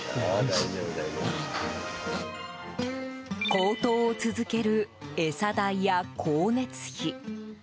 高騰を続ける餌代や光熱費。